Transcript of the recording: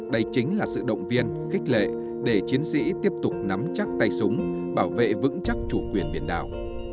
đây chính là sự động viên khích lệ để chiến sĩ tiếp tục nắm chắc tay súng bảo vệ vững chắc chủ quyền biển đảo